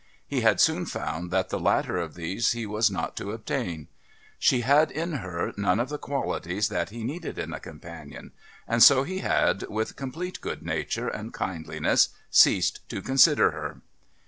He had soon found that the latter of these he was not to obtain. She had in her none of the qualities that he needed in a companion, and so he had, with complete good nature and kindliness, ceased to consider her.